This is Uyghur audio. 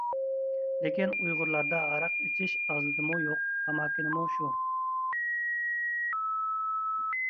لېكىن ئۇيغۇرلاردا ھاراق ئىچىش ئازلىدىمۇ يوق؟ تاماكىنىمۇ شۇ.